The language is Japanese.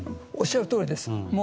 おっしゃるとおりです。